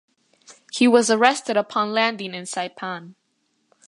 He was arrested upon landing in Saipan.